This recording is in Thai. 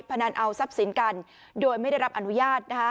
พนันเอาทรัพย์สินกันโดยไม่ได้รับอนุญาต